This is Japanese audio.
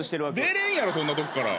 出れんやろそんなとこから。